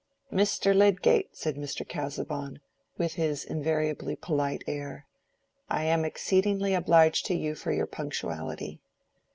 "Mr. Lydgate," said Mr. Casaubon, with his invariably polite air, "I am exceedingly obliged to you for your punctuality.